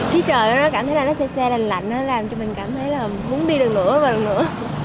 khi trời nó cảm thấy là nó xe xe lành lạnh nó làm cho mình cảm thấy là muốn đi lửa và lửa